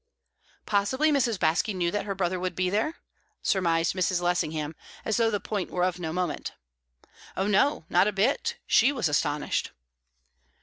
"Possibly Mrs. Baske knew that her brother would be there?" surmised Mrs. Lessingham, as though the point were of no moment. "Oh no! not a bit. She was astonished."